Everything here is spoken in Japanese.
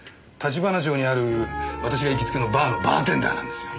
橘町にある私が行きつけのバーのバーテンダーなんですよ。